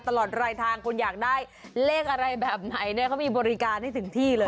ตลอดรายทางคุณอยากได้เลขอะไรแบบไหนเนี่ยเขามีบริการให้ถึงที่เลย